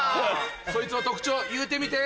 そいつの特徴言うてみて。